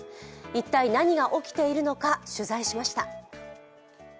一体何が起きているのか、取材しました。